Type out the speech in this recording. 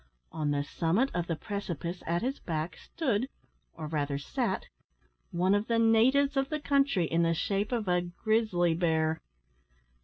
On the summit of the precipice at his back stood, or rather sat, one of the natives of the country, in the shape of a grizzly bear.